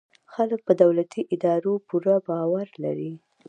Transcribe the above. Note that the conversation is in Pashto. خلک په دولتي ادارو پوره باور لري.